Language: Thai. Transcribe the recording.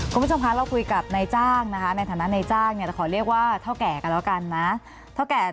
คุณผู้ชมคะเราคุยกับนายจ้างนะคะในฐานะนายจ้างเนี่ยจะขอเรียกว่าเท่าแก่กันแล้วกันนะ